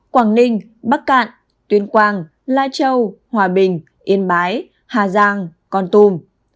quảng ninh bắc cạn tuyên quang lai châu hòa bình yên bái hà giang con tum